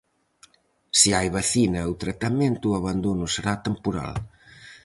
Se hai vacina ou tratamento, o abandono será temporal.